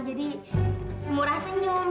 jadi murah senyum